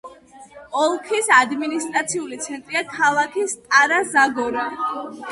ოლქის ადმინისტრაციული ცენტრია ქალაქი სტარა-ზაგორა.